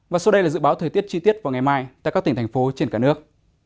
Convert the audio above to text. và sau đây là dự báo thời tiết chi tiết vào ngày mai tại các tỉnh thành phố trên cả nước